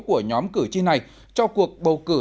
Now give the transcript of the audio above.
của nhóm cử tri này cho cuộc bầu cử